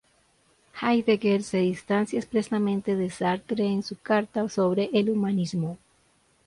Heidegger se distancia expresamente de Sartre en su Carta sobre el humanismo.